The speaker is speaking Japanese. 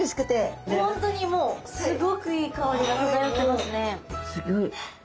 本当にもうすごくいい香りが漂ってますね。